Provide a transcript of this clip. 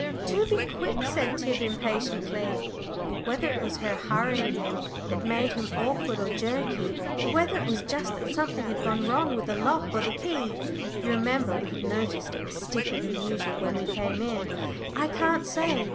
"Do be quick," said Tib, impatiently. Whether it was her hurrying him that made him awkward or jerky, or whether it was just that something had gone wrong with the lock or the key you remember we had noticed it was stiffer than usual when we came in I can't say.